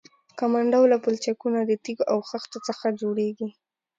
کمان ډوله پلچکونه د تیږو او خښتو څخه جوړیږي